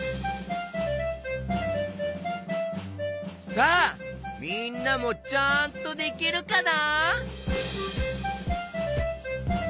さあみんなもちゃんとできるかな？